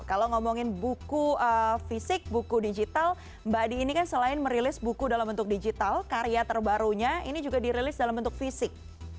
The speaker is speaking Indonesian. kalau ngomongin buku fisik buku digital mbak di ini kan selain merilis buku dalam bentuk digital karya terbarunya ini juga dirilis dalam bentuk fisik